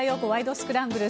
スクランブル」。